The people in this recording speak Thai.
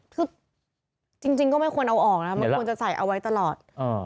คือจริงก็ไม่ควรเอาออกนะมันควรจะใส่เอาไว้ตลอด